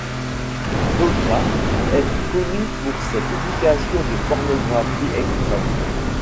Dogma est connue pour ses publications de pornographie extrême.